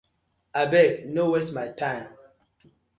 Abeg! No waste my time.